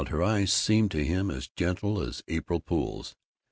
Her eyes seemed to him as gentle as April pools.